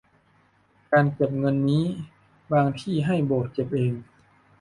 การเก็บเงินนี้บางที่ให้โบสถ์เก็บเอง